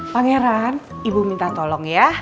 pangeran ibu minta tolong ya